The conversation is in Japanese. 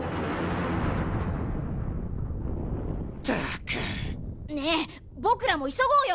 ったく！ねえ！ぼくらもいそごうよ！